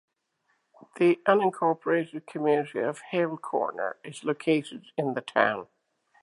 The unincorporated community of Hale Corner is located in the town.